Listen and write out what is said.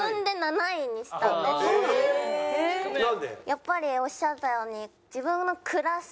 やっぱりおっしゃったように自分の暗さ。